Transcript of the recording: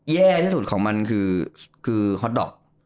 แย่ที่สุดของมันคือฮอตดอก